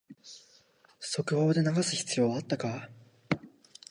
速報で流す必要あったか